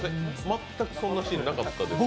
全くそんなシーンなかったですけど。